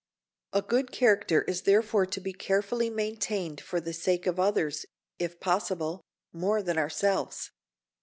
A good character is therefore to be carefully maintained for the sake of others, if possible, more than ourselves.